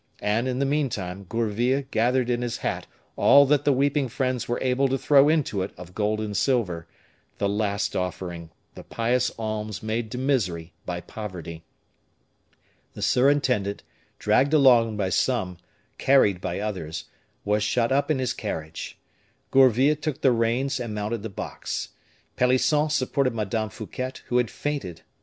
And, in the meantime, Gourville gathered in his hat all that the weeping friends were able to throw into it of gold and silver the last offering, the pious alms made to misery by poverty. The surintendant, dragged along by some, carried by others, was shut up in his carriage. Gourville took the reins, and mounted the box. Pelisson supported Madame Fouquet, who had fainted.